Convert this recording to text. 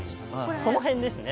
その辺ですね。